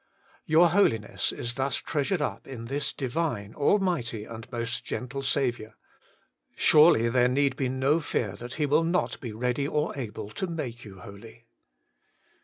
4. Your holiness is thus treasured up in this Divine, Almighty, and most gentle Saviour surely there need to be no fear that He will not be ready or able to make you holy.